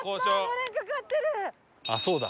あっそうだ。